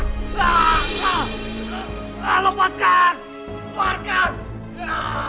tidak usah khawatirkan mas giripati